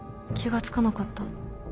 気が付かなかった。